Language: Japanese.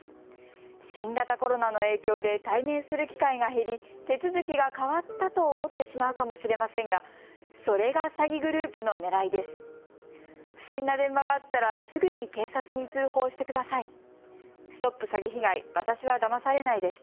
新型コロナの影響で対面する機会が減り、手続きが変わったと思ってしまうかもしれませんが、それが詐欺グループのねらいです。